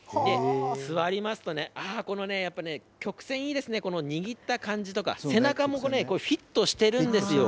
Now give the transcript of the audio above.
座りますとね、ああ、このね、やっぱりね、曲線いいですね、この握った感じとか、背中もフィットしてるんですよ。